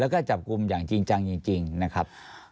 แล้วก็จับกลุ่มอย่างจริงจังจริงนะครับ